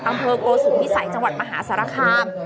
ต่างเพลิงโอสุนที่ใส่จังหวัดมหาสารคาม